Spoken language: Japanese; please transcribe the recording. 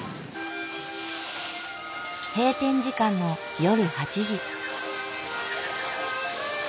閉店時間の夜８時。